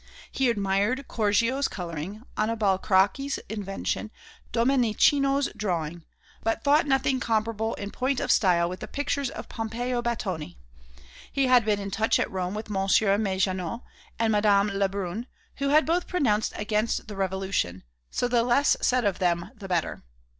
He admired Correggio's colouring, Annibale Caracci's invention, Domenichino's drawing, but thought nothing comparable in point of style with the pictures of Pompeio Battoni. He had been in touch at Rome with Monsieur Ménageot and Madame Lebrun, who had both pronounced against the Revolution; so the less said of them the better.